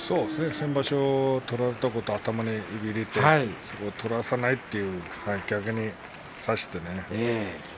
先場所、取られたことを頭に入れてそこを取らせないと逆に差して。